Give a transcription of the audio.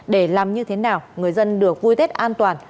để làm như thế nào người dân được vui tết an toàn